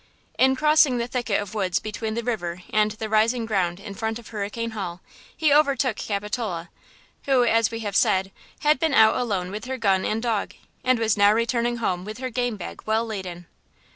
In crossing the thicket of woods between the river and the rising ground in front of Hurricane Hall, he overtook Capitola, who, as we have said, had been out alone with her gun and dog, and was now returning home with her game bag well laden.